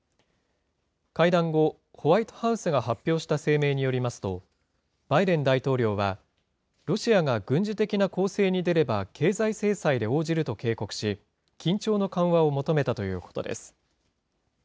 会談後、ホワイトハウスが発表した声明によりますと、バイデン大統領は、ロシアが軍事的な攻勢に出れば経済制裁で応じると警告し、緊張の緩和を求めたということです。